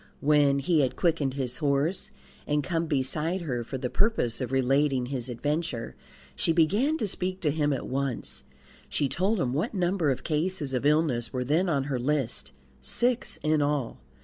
When he had quickened his horse and come beside her for the purpose of relating his adventure, she began to speak to him at once. She told him what number of cases of illness were then on her list six in all.